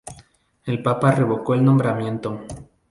El papa revocó el nombramiento.